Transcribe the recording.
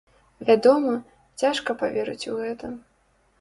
Вядома, цяжка паверыць у гэта.